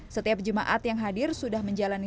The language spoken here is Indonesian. setiap jemaat yang hadir sudah menjalani